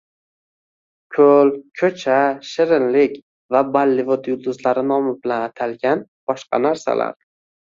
Ko‘l, ko‘cha, shirinlik va Bollivud yulduzlari nomi bilan atalgan boshqa narsalar